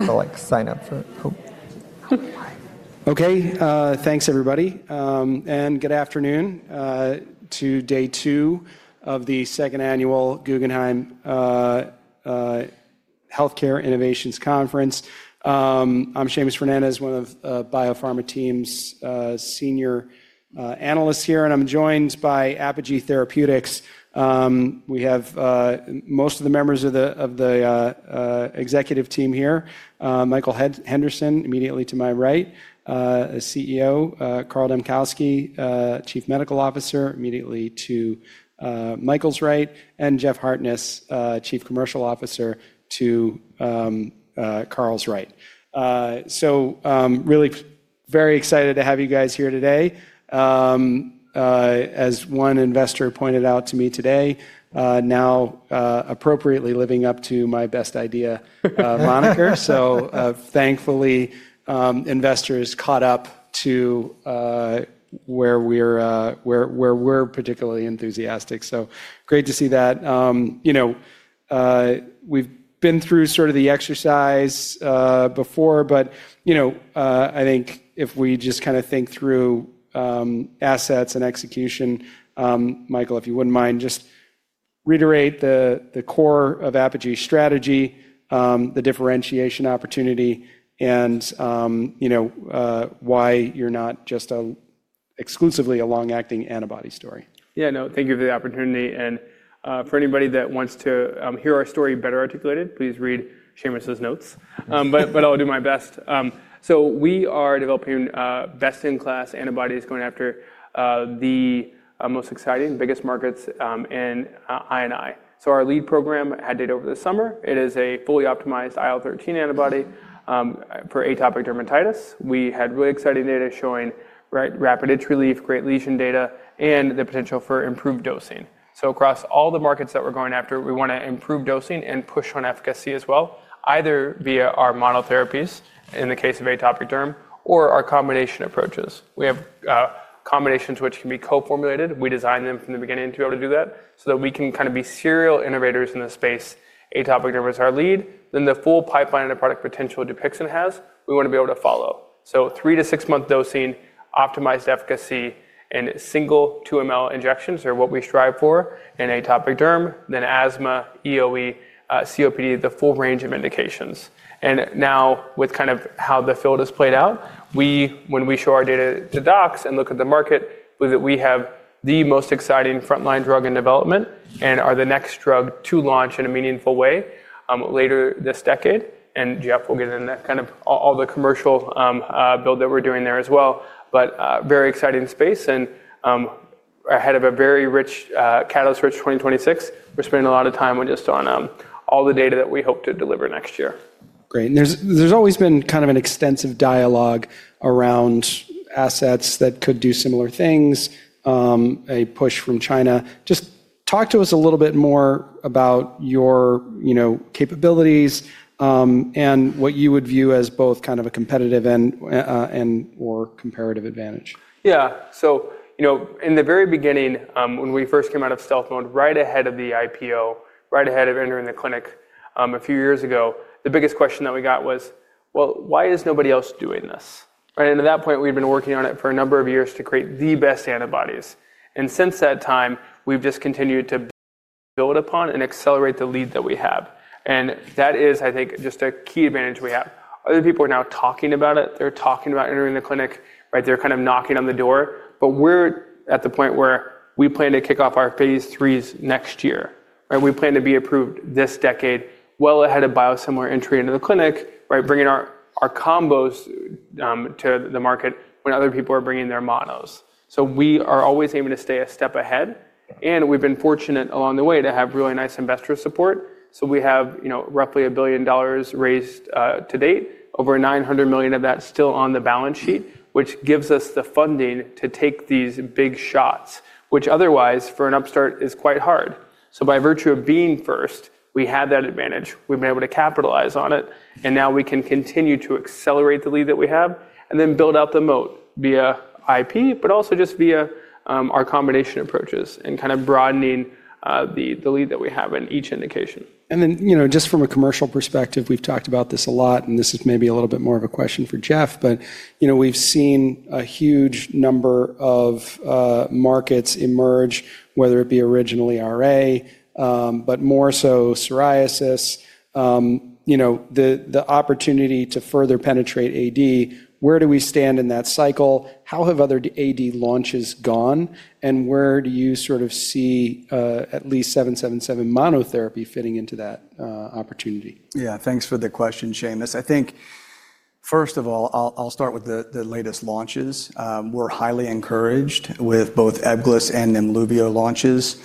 I'll sign up for it. Okay, thanks everybody, and good afternoon to day two of the Second Annual Guggenheim Healthcare Innovations Conference. I'm Seamus Fernandez, one of the Biopharma team's senior analysts here, and I'm joined by Apogee Therapeutics. We have most of the members of the executive team here. Michael Henderson immediately to my right, CEO, Carl Dambkowski, Chief Medical Officer immediately to Michael's right, and Jeff Hartness, Chief Commercial Officer to Carl's right. Really very excited to have you guys here today. As one investor pointed out to me today, now appropriately living up to my best idea, Moniker. Thankfully, investors caught up to where we're particularly enthusiastic. Great to see that. We've been through sort of the exercise before, but I think if we just kind of think through assets and execution, Michael, if you wouldn't mind, just reiterate the core of Apogee's strategy, the differentiation opportunity, and why you're not just exclusively a long-acting antibody story. Yeah, no, thank you for the opportunity. For anybody that wants to hear our story better articulated, please read Seamus's notes, but I'll do my best. We are developing best-in-class antibodies going after the most exciting, biggest markets, and I. Our lead program had data over the summer. It is a fully optimized IL-13 antibody for atopic dermatitis. We had really exciting data showing rapid itch relief, great lesion data, and the potential for improved dosing. Across all the markets that we're going after, we want to improve dosing and push on efficacy as well, either via our monotherapies in the case of atopic derm or our combination approaches. We have combinations which can be co-formulated. We design them from the beginning to be able to do that so that we can kind of be serial innovators in this space. Atopic derm is our lead. The full pipeline and the product potential DUPIXENT has, we want to be able to follow. Three to six-month dosing, optimized efficacy, and single 2 mL injections are what we strive for in atopic derm, then asthma, EOE, COPD, the full range of indications. Now with kind of how the field has played out, when we show our data to docs and look at the market, we believe that we have the most exciting frontline drug in development and are the next drug to launch in a meaningful way later this decade. Jeff will get in that kind of all the commercial build that we're doing there as well, but very exciting space and ahead of a very rich catalyst rich 2026. We're spending a lot of time just on all the data that we hope to deliver next year. Great. There's always been kind of an extensive dialogue around assets that could do similar things, a push from China. Just talk to us a little bit more about your capabilities and what you would view as both kind of a competitive and/or comparative advantage. Yeah. In the very beginning, when we first came out of stealth mode right ahead of the IPO, right ahead of entering the clinic a few years ago, the biggest question that we got was, why is nobody else doing this? At that point, we had been working on it for a number of years to create the best antibodies. Since that time, we've just continued to build upon and accelerate the lead that we have. That is, I think, just a key advantage we have. Other people are now talking about it. They're talking about entering the clinic. They're kind of knocking on the door. We're at the point where we plan to kick off our phase IIIs next year. We plan to be approved this decade well ahead of biosimilar entry into the clinic, bringing our combos to the market when other people are bringing their monos. We are always aiming to stay a step ahead. We have been fortunate along the way to have really nice investor support. We have roughly $1 billion raised to date, over $900 million of that still on the balance sheet, which gives us the funding to take these big shots, which otherwise for an upstart is quite hard. By virtue of being first, we had that advantage. We have been able to capitalize on it. We can continue to accelerate the lead that we have and then build out the moat via IP, but also just via our combination approaches and kind of broadening the lead that we have in each indication. Just from a commercial perspective, we've talked about this a lot, and this is maybe a little bit more of a question for Jeff, but we've seen a huge number of markets emerge, whether it be originally RA, but more so psoriasis, the opportunity to further penetrate AD. Where do we stand in that cycle? How have other AD launches gone? Where do you sort of see at least 777 monotherapy fitting into that opportunity? Yeah, thanks for the question, Seamus. I think first of all, I'll start with the latest launches. We're highly encouraged with both EBGLYSS and NEMLUVIO launches.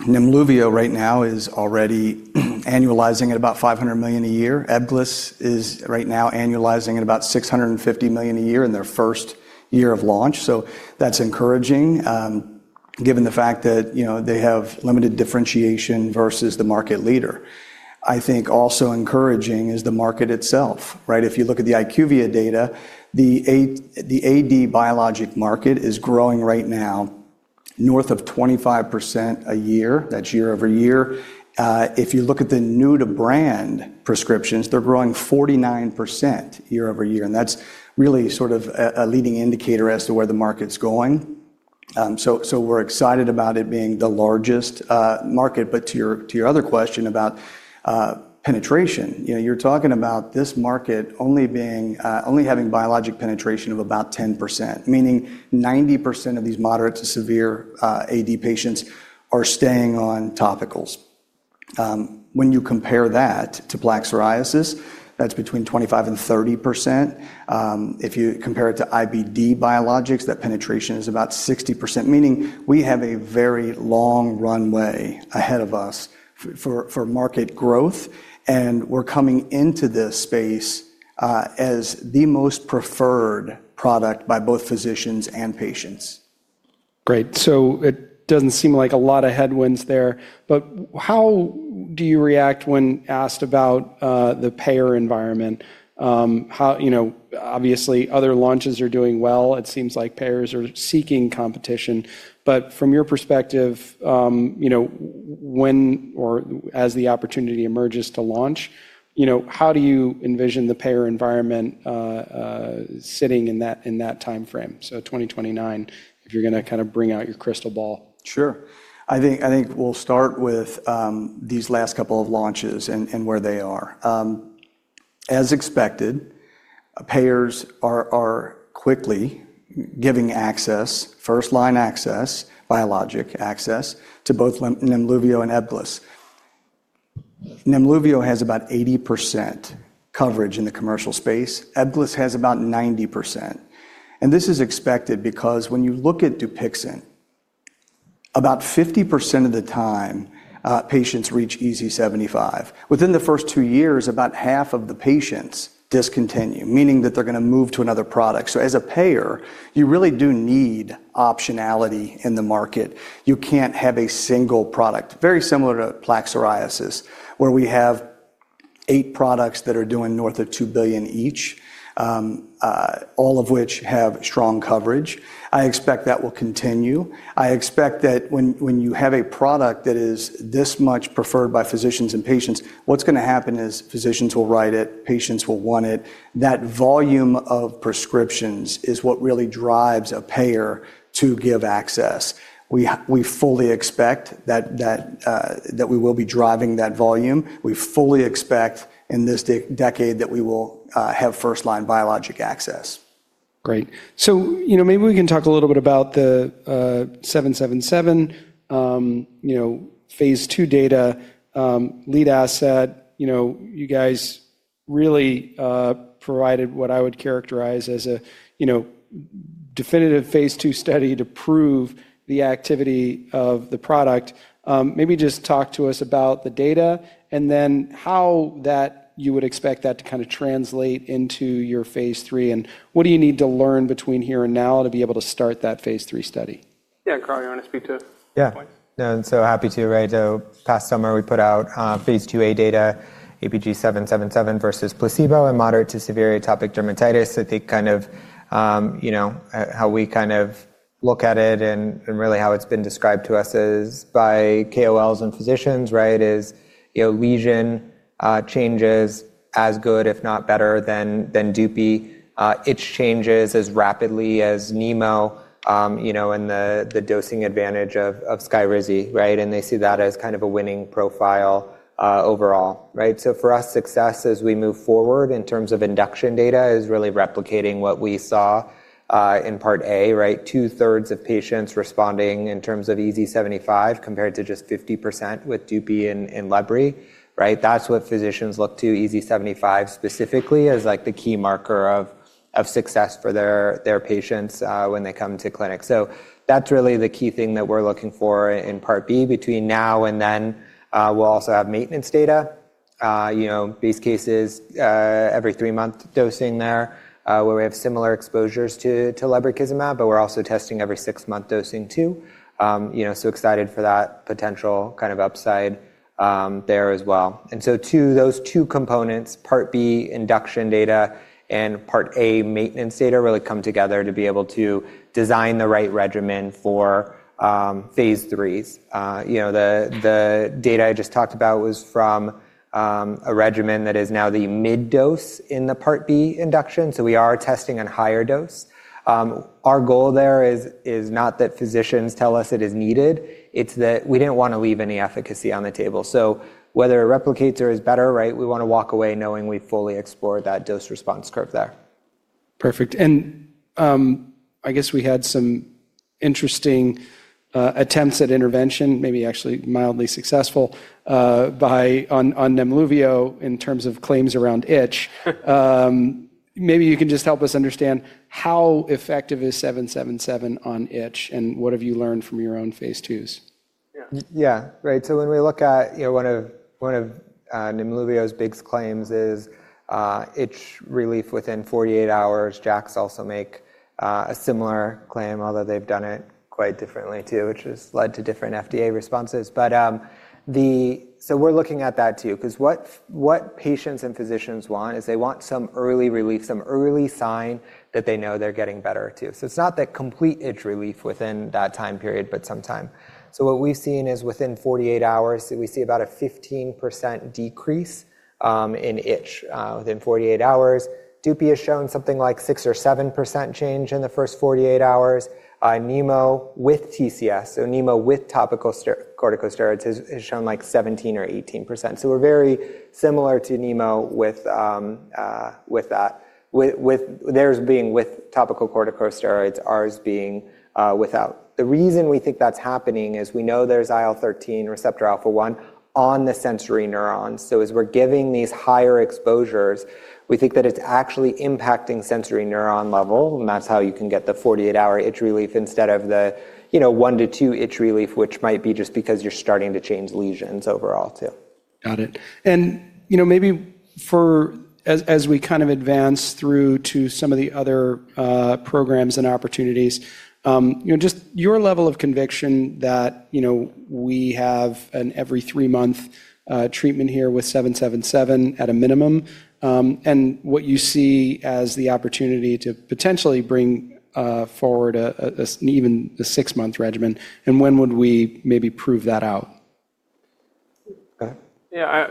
NEMLUVIO right now is already annualizing at about $500 million a year. EBGLYSS is right now annualizing at about $650 million a year in their first year of launch. That is encouraging given the fact that they have limited differentiation versus the market leader. I think also encouraging is the market itself. If you look at the IQVIA data, the AD biologic market is growing right now north of 25% a year. That is year over year. If you look at the new-to-brand prescriptions, they are growing 49% year-over-year. That is really sort of a leading indicator as to where the market is going. We are excited about it being the largest market. To your other question about penetration, you're talking about this market only having biologic penetration of about 10%, meaning 90% of these moderate to severe AD patients are staying on topicals. When you compare that to plaque psoriasis, that's between 25%-30%. If you compare it to IBD biologics, that penetration is about 60%, meaning we have a very long runway ahead of us for market growth. We're coming into this space as the most preferred product by both physicians and patients. Great. It doesn't seem like a lot of headwinds there, but how do you react when asked about the payer environment? Obviously, other launches are doing well. It seems like payers are seeking competition. From your perspective, when or as the opportunity emerges to launch, how do you envision the payer environment sitting in that timeframe? 2029, if you're going to kind of bring out your crystal ball. Sure. I think we'll start with these last couple of launches and where they are. As expected, payers are quickly giving access, first-line access, biologic access to both NEMLUVIO and EBGLYSS. NEMLUVIO has about 80% coverage in the commercial space. EBGLYSS has about 90%. This is expected because when you look at DUPIXENT, about 50% of the time patients reach EASI 75. Within the first two years, about half of the patients discontinue, meaning that they're going to move to another product. As a payer, you really do need optionality in the market. You can't have a single product, very similar to plaque psoriasis, where we have eight products that are doing north of $2 billion each, all of which have strong coverage. I expect that will continue. I expect that when you have a product that is this much preferred by physicians and patients, what's going to happen is physicians will write it, patients will want it. That volume of prescriptions is what really drives a payer to give access. We fully expect that we will be driving that volume. We fully expect in this decade that we will have first-line biologic access. Great. Maybe we can talk a little bit about the 777 phase II data, lead asset. You guys really provided what I would characterize as a definitive phase II study to prove the activity of the product. Maybe just talk to us about the data and then how you would expect that to kind of translate into your phase III and what do you need to learn between here and now to be able to start that phase III study? Yeah, Carl, do you want to speak to that point? Yeah. So happy to. Last summer, we put out phase IIa data, APG 777 versus placebo in moderate to severe atopic dermatitis. I think kind of how we kind of look at it and really how it has been described to us by KOLs and physicians is lesion changes as good, if not better than DUPIXENT, itch changes as rapidly as NEMO, and the dosing advantage of SKYRIZI. They see that as kind of a winning profile overall. For us, success as we move forward in terms of induction data is really replicating what we saw in part A, two-thirds of patients responding in terms of EASI 75 compared to just 50% with DUPIXENT and LEBRI. That is what physicians look to, EASI 75 specifically as the key marker of success for their patients when they come to clinic. That's really the key thing that we're looking for in part B. Between now and then, we'll also have maintenance data, base cases every three-month dosing there where we have similar exposures to lebrikizumab, but we're also testing every six-month dosing too. Excited for that potential kind of upside there as well. Those two components, part B induction data and part A maintenance data, really come together to be able to design the right regimen for phase IIIs. The data I just talked about was from a regimen that is now the mid-dose in the part B induction. We are testing on higher dose. Our goal there is not that physicians tell us it is needed. It's that we didn't want to leave any efficacy on the table. Whether it replicates or is better, we want to walk away knowing we fully explored that dose response curve there. Perfect. I guess we had some interesting attempts at intervention, maybe actually mildly successful on NEMLUVIO in terms of claims around itch. Maybe you can just help us understand how effective is 777 on itch and what have you learned from your own phase IIs? Yeah, right. When we look at one of NEMLUVIO's biggest claims, it is itch relief within 48 hours. JAKs also make a similar claim, although they've done it quite differently too, which has led to different FDA responses. We are looking at that too because what patients and physicians want is they want some early relief, some early sign that they know they're getting better too. It is not that complete itch relief within that time period, but some. What we've seen is within 48 hours, we see about a 15% decrease in itch within 48 hours. DUPIXENT has shown something like 6% or 7% change in the first 48 hours. NEMLUVIO with TCS, so NEMLUVIO with topical corticosteroids, has shown like 17% or 18%. We are very similar to NEMLUVIO, with theirs being with topical corticosteroids, ours being without. The reason we think that's happening is we know there's IL-13 receptor alpha-1 on the sensory neurons. As we're giving these higher exposures, we think that it's actually impacting sensory neuron level. That's how you can get the 48-hour itch relief instead of the one to two itch relief, which might be just because you're starting to change lesions overall too. Got it. Maybe as we kind of advance through to some of the other programs and opportunities, just your level of conviction that we have an every three-month treatment here with 777 at a minimum and what you see as the opportunity to potentially bring forward even a six-month regimen. When would we maybe prove that out? Yeah.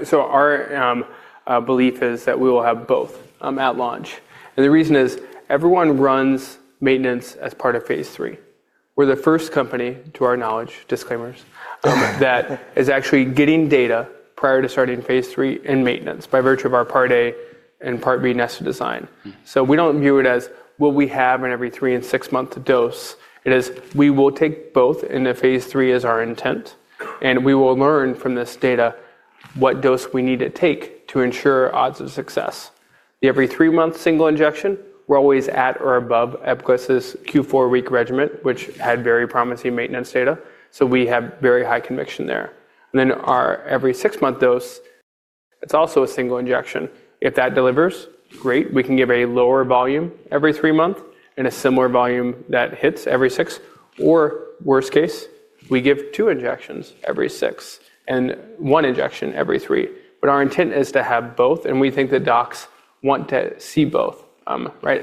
Our belief is that we will have both at launch. The reason is everyone runs maintenance as part of phase III. We're the first company, to our knowledge, disclaimers, that is actually getting data prior to starting phase III in maintenance by virtue of our part A and part B nested design. We do not view it as what we have in every three and six-month dose. It is we will take both in the phase III as our intent. We will learn from this data what dose we need to take to ensure odds of success. The every three-month single injection, we're always at or above EBGLYSS's Q4 week regimen, which had very promising maintenance data. We have very high conviction there. Our every six-month dose, it's also a single injection. If that delivers, great. We can give a lower volume every three months and a similar volume that hits every six. Or worst case, we give two injections every six and one injection every three. Our intent is to have both. We think that docs want to see both.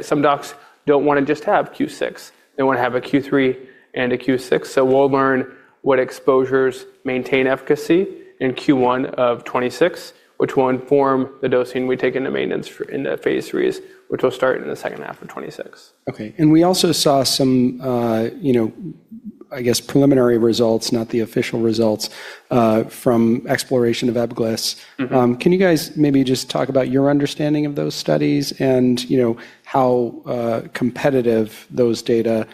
Some docs do not want to just have Q6. They want to have a Q3 and a Q6. We will learn what exposures maintain efficacy in Q1 of 2026, which will inform the dosing we take into maintenance in the phase IIIs, which will start in the second half of 2026. Okay. We also saw some, I guess, preliminary results, not the official results, from exploration of EBGLYSS. Can you guys maybe just talk about your understanding of those studies and how competitive those data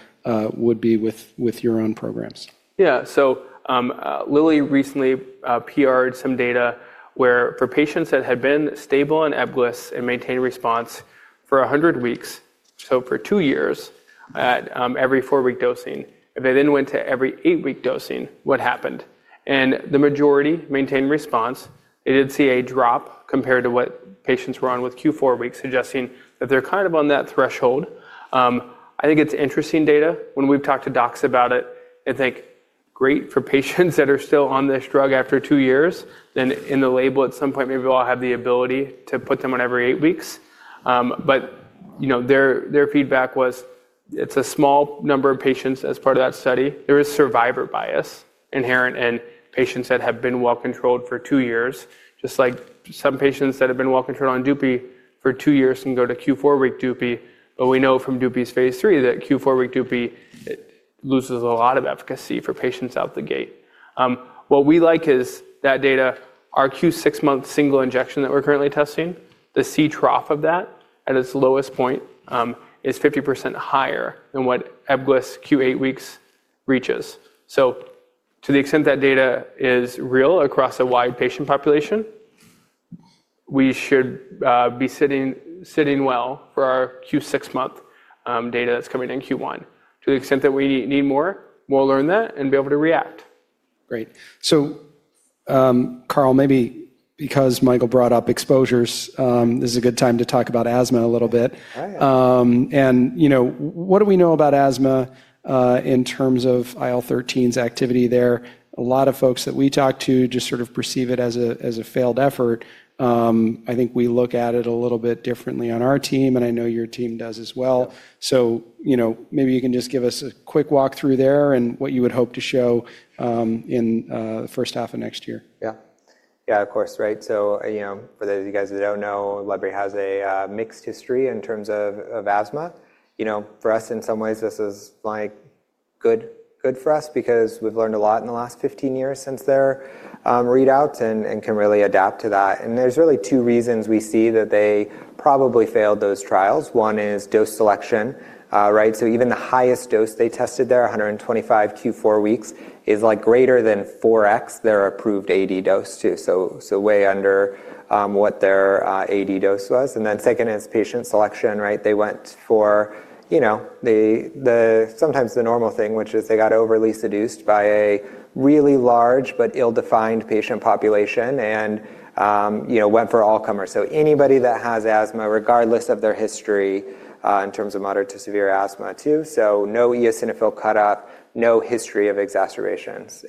would be with your own programs? Yeah. Lilly recently PR'd some data where for patients that had been stable on EBGLYSS and maintained response for 100 weeks, so for two years at every four-week dosing, if they then went to every eight-week dosing, what happened? The majority maintained response. They did see a drop compared to what patients were on with Q4 weeks, suggesting that they're kind of on that threshold. I think it's interesting data. When we've talked to docs about it, I think great for patients that are still on this drug after two years. In the label at some point, maybe we'll have the ability to put them on every eight weeks. Their feedback was it's a small number of patients as part of that study. There is survivor bias inherent in patients that have been well controlled for two years, just like some patients that have been well controlled on DUPI for two years can go to Q4 week DUPI. We know from DUPI's phase III that Q4 week DUPI loses a lot of efficacy for patients out the gate. What we like is that data, our Q6 month single injection that we're currently testing, the C trough of that at its lowest point is 50% higher than what EBGLYSS Q8 weeks reaches. To the extent that data is real across a wide patient population, we should be sitting well for our Q6 month data that's coming in Q1. To the extent that we need more, we'll learn that and be able to react. Great. Carl, maybe because Michael brought up exposures, this is a good time to talk about asthma a little bit. What do we know about asthma in terms of IL-13's activity there? A lot of folks that we talk to just sort of perceive it as a failed effort. I think we look at it a little bit differently on our team, and I know your team does as well. Maybe you can just give us a quick walk through there and what you would hope to show in the first half of next year. Yeah. Yeah, of course. Right. For those of you guys who don't know, LEBRI has a mixed history in terms of asthma. For us, in some ways, this is good for us because we've learned a lot in the last 15 years since their readouts and can really adapt to that. There are really two reasons we see that they probably failed those trials. One is dose selection. Even the highest dose they tested there, 125 Q4 weeks, is like greater than 4X their approved AD dose too. Way under what their AD dose was. The second is patient selection. They went for sometimes the normal thing, which is they got overly seduced by a really large but ill-defined patient population and went for all comers. Anybody that has asthma, regardless of their history in terms of moderate to severe asthma too. No eosinophil cutoff, no history of exacerbations.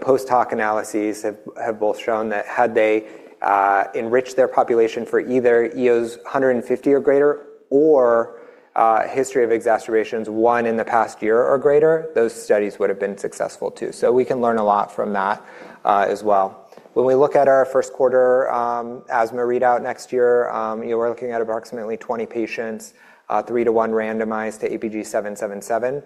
Post-hoc analyses have both shown that had they enriched their population for either EOs 150 or greater or history of exacerbations, one in the past year or greater, those studies would have been successful too. We can learn a lot from that as well. When we look at our first quarter asthma readout next year, we're looking at approximately 20 patients, three to one randomized to APG 777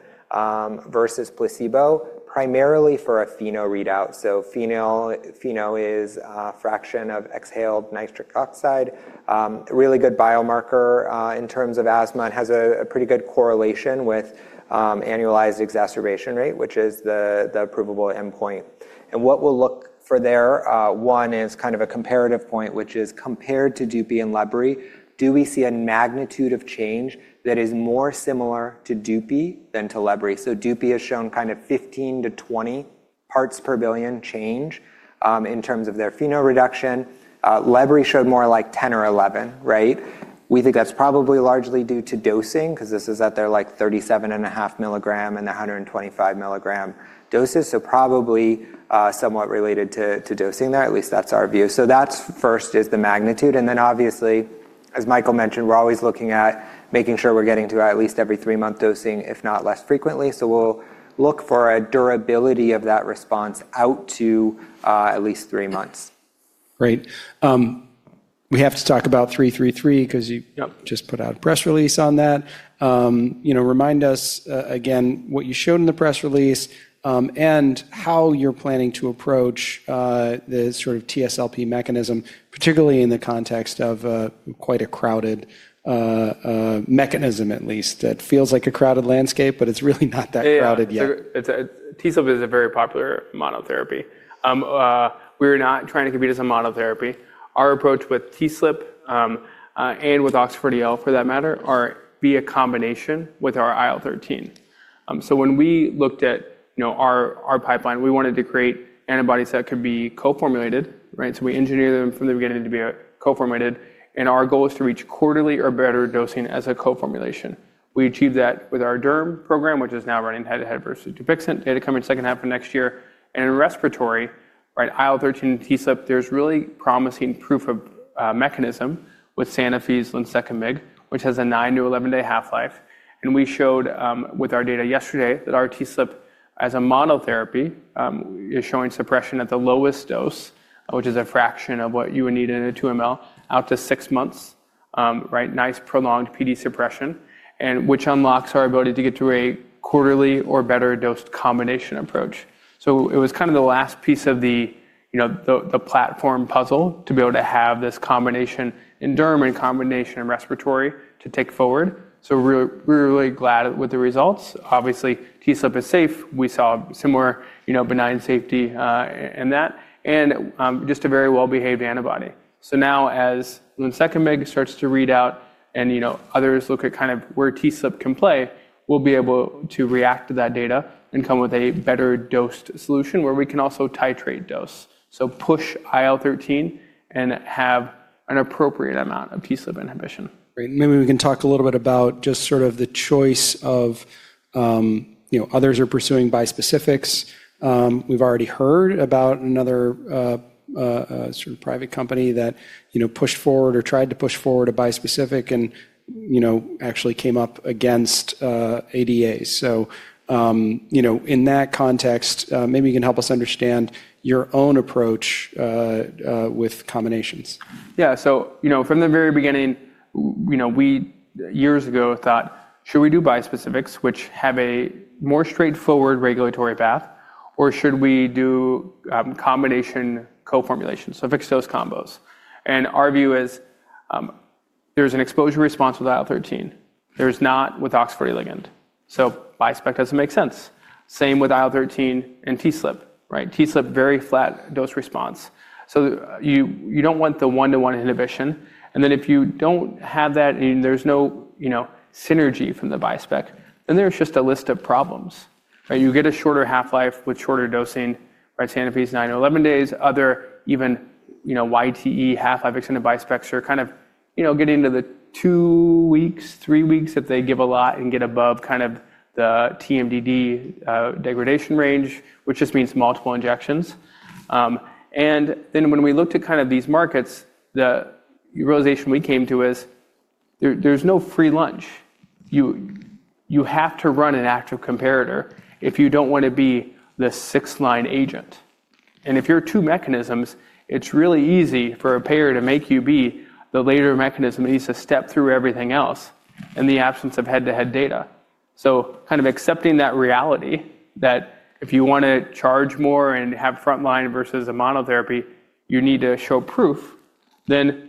versus placebo, primarily for a FeNO readout. FeNO is a fraction of exhaled nitric oxide, a really good biomarker in terms of asthma and has a pretty good correlation with annualized exacerbation rate, which is the provable endpoint. What we'll look for there, one is kind of a comparative point, which is compared to DUPI and LEBRI, do we see a magnitude of change that is more similar to DUPI than to LEBRI? DUPI has shown kind of 15-20 parts per billion change in terms of their FeNO reduction. LEBRI showed more like 10 or 11. We think that's probably largely due to dosing because this is at their 37.5 mg and the 125 mg doses. Probably somewhat related to dosing there. At least that's our view. First is the magnitude. Obviously, as Michael mentioned, we're always looking at making sure we're getting to at least every three-month dosing, if not less frequently. We'll look for a durability of that response out to at least three months. Great. We have to talk about 333 because you just put out a press release on that. Remind us again what you showed in the press release and how you're planning to approach the sort of TSLP mechanism, particularly in the context of quite a crowded mechanism, at least. It feels like a crowded landscape, but it's really not that crowded yet. TSLP is a very popular monotherapy. We're not trying to compete as a monotherapy. Our approach with TSLP and with OX40L for that matter be a combination with our IL-13. When we looked at our pipeline, we wanted to create antibodies that could be co-formulated. We engineered them from the beginning to be co-formulated. Our goal is to reach quarterly or better dosing as a co-formulation. We achieved that with our DERM program, which is now running head-to-head versus DUPIXENT. Data coming second half of next year. In respiratory, IL-13 and TSLP, there's really promising proof of mechanism with Sanofi's lunsekimig, which has a 9-11 day half-life. We showed with our data yesterday that our TSLP as a monotherapy is showing suppression at the lowest dose, which is a fraction of what you would need in a 2 mL out to six months, nice prolonged PD suppression, which unlocks our ability to get to a quarterly or better dosed combination approach. It was kind of the last piece of the platform puzzle to be able to have this combination in DERM and combination in respiratory to take forward. We are really glad with the results. Obviously, TSLP is safe. We saw similar benign safety in that and just a very well-behaved antibody. Now as lunsekimig starts to read out and others look at kind of where TSLP can play, we will be able to react to that data and come with a better dosed solution where we can also titrate dose. Push IL-13 and have an appropriate amount of TSLP inhibition. Maybe we can talk a little bit about just sort of the choice of others are pursuing bispecifics. We've already heard about another sort of private company that pushed forward or tried to push forward a bispecific and actually came up against ADA. In that context, maybe you can help us understand your own approach with combinations. Yeah. From the very beginning, we years ago thought, should we do bispecifics, which have a more straightforward regulatory path, or should we do combination co-formulations, so fixed dose combos? Our view is there's an exposure response with IL-13. There's not with OX40L. So bispecific doesn't make sense. Same with IL-13 and TSLP. TSLP, very flat dose response. You don't want the one-to-one inhibition. If you don't have that and there's no synergy from the bispecific, then there's just a list of problems. You get a shorter half-life with shorter dosing. Sanofi's 9-11 days. Other even YTE half-life extended bispecifics are kind of getting into the two weeks, three weeks if they give a lot and get above kind of the TMDD degradation range, which just means multiple injections. When we looked at kind of these markets, the realization we came to is there's no free lunch. You have to run an active comparator if you don't want to be the six-line agent. If you're two mechanisms, it's really easy for a payer to make you be the later mechanism that needs to step through everything else in the absence of head-to-head data. Kind of accepting that reality that if you want to charge more and have frontline versus a monotherapy, you need to show proof, then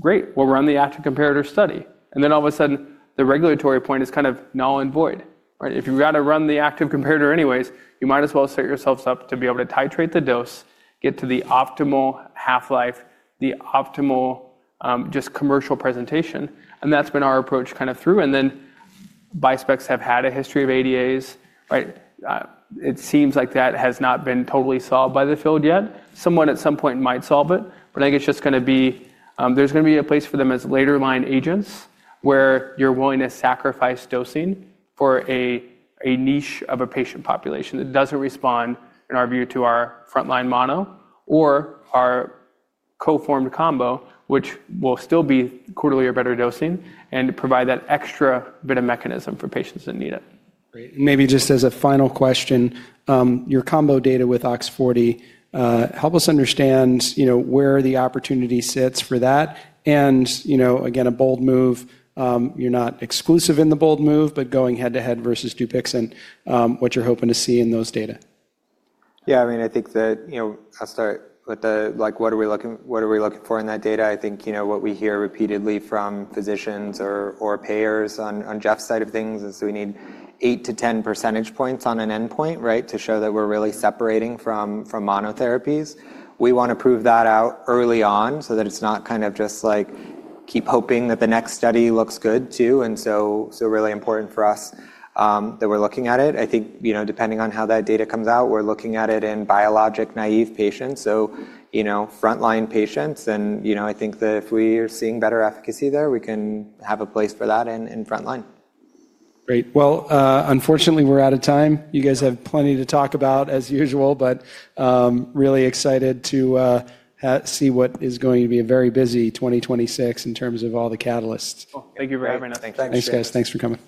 great, we'll run the active comparator study. All of a sudden, the regulatory point is kind of null and void. If you've got to run the active comparator anyways, you might as well set yourselves up to be able to titrate the dose, get to the optimal half-life, the optimal just commercial presentation. That's been our approach kind of through. Bispecifics have had a history of ADAs. It seems like that has not been totally solved by the field yet. Someone at some point might solve it. I think it's just going to be there's going to be a place for them as later line agents where you're willing to sacrifice dosing for a niche of a patient population that doesn't respond, in our view, to our frontline mono or our co-formed combo, which will still be quarterly or better dosing and provide that extra bit of mechanism for patients that need it. Maybe just as a final question, your combo data with OX40L, help us understand where the opportunity sits for that. Again, a bold move. You're not exclusive in the bold move, but going head-to-head versus DUPIXENT, what you're hoping to see in those data. Yeah. I mean, I think that I'll start with what are we looking for in that data. I think what we hear repeatedly from physicians or payers on Jeff's side of things is we need 8-10 percentage points on an endpoint to show that we're really separating from monotherapies. We want to prove that out early on so that it's not kind of just like keep hoping that the next study looks good too. It is really important for us that we're looking at it. I think depending on how that data comes out, we're looking at it in biologic naive patients, so frontline patients. I think that if we are seeing better efficacy there, we can have a place for that in frontline. Great. Unfortunately, we're out of time. You guys have plenty to talk about as usual, but really excited to see what is going to be a very busy 2026 in terms of all the catalysts. Thank you for having us. Thanks, guys. Thanks for coming.